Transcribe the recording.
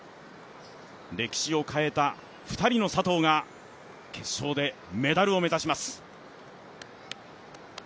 歴史を変えた２人の佐藤が決勝でメダルを目指します。